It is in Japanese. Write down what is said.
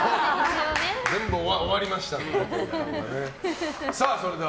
全部終わりましたので。